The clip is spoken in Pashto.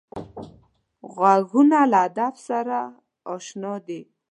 غوږونه له ادب سره اشنا دي